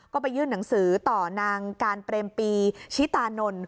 ก็ไปยื่นหนังสือต่อนางการเปรมปีชิตานนท์